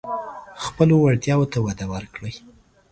خپلو وړتیاوو ته وده ورکړئ.